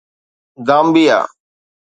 گامبيا